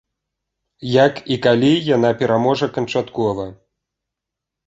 Як і калі яна пераможа канчаткова?